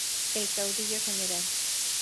El caudillo Gral.